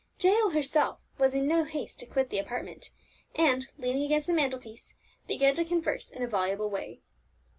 Jael herself was in no haste to quit the apartment; and leaning against the mantelpiece, began to converse in a voluble way.